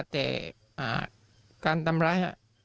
แต่การทำร้าย